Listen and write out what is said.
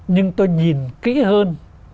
nhưng tôi nhìn kỹ hơn